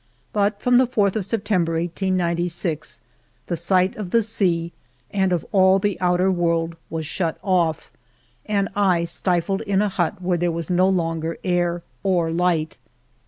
But from the 4th of September, 1896, the sight of the sea and of all the outer world was shut off, and I stifled in a hut where there was no longer air or light.